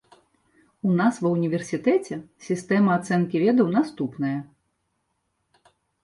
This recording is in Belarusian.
У нас ва ўніверсітэце сістэма ацэнкі ведаў наступная.